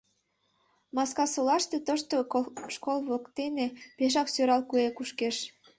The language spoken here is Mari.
Маскасолаште, тошто школ воктене, пешак сӧрал куэ кушкеш.